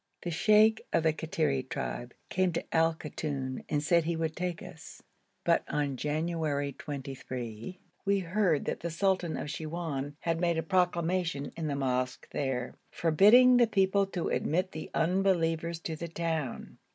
The sheikh of the Kattiri tribe came to Al Koton and said he would take us, but on January 23 we heard that the sultan of Siwoun had made a proclamation in the mosque there, forbidding the people to admit the unbelievers to the town.